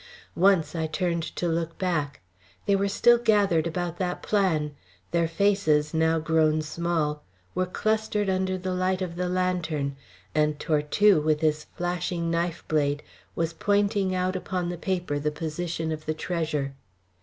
Once I turned to look back. They were still gathered about that plan; their faces, now grown small, were clustered under the light of the lantern, and Tortue, with his flashing knife blade, was pointing out upon the paper the position of the treasure.